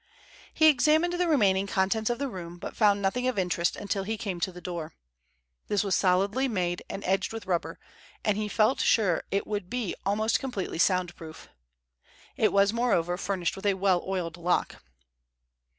He examined the remaining contents of the room, but found nothing of interest until he came to the door. This was solidly made and edged with rubber, and he felt sure that it would be almost completely sound proof. It was, moreover, furnished with a well oiled lock.